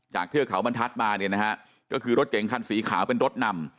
เทือกเขาบรรทัศน์มาเนี่ยนะฮะก็คือรถเก๋งคันสีขาวเป็นรถนำ